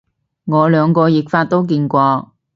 我兩個譯法都見過